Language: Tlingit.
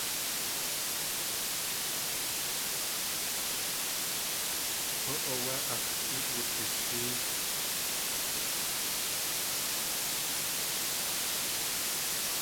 Hú áwé ax̲ éet wudishée.